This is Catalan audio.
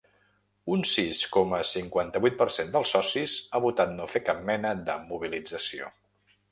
Un sis coma cinquanta-vuit per cent dels socis ha votat no fer cap mena de mobilització.